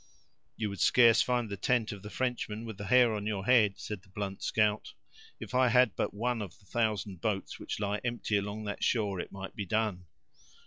"You would scarce find the tent of the Frenchman with the hair on your head"; said the blunt scout. "If I had but one of the thousand boats which lie empty along that shore, it might be done!